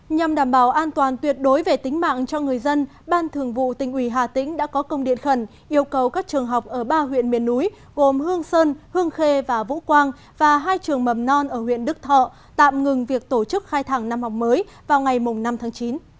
nhằm đảm bảo an toàn tuyệt đối về tính mạng cho người dân ban thường vụ tỉnh ủy hà tĩnh đã có công điện khẩn yêu cầu các trường học ở ba huyện miền núi gồm hương sơn hương khê và vũ quang và hai trường mầm non ở huyện đức thọ tạm ngừng việc tổ chức khai thẳng năm học mới vào ngày năm tháng chín